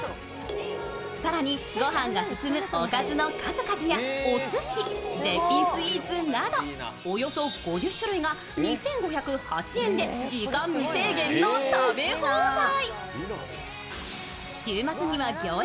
更にご飯が進むおかずの数々やおすし、絶品スイーツなど、およそ５０種類が２５０８円で時間無制限の食べ放題。